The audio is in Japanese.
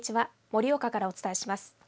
盛岡からお伝えします。